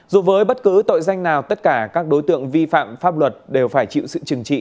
dù với bất cứ tội danh nào tất cả các đối tượng vi phạm pháp luật đều phải chịu sự trừng trị